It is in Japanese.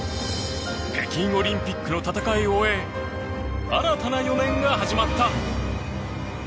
北京オリンピックの戦いを終え新たな４年が始まった。